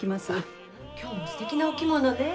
今日もすてきなお着物ね。